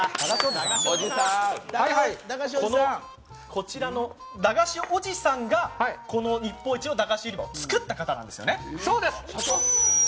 こちらのだがしおじさんがこの日本一のだがし売り場を作った方なんですよね。